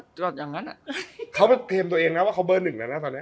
อย่างนั้นเขาไปเตรียมตัวเองนะว่าเขาเบอร์หนึ่งแล้วนะตอนนี้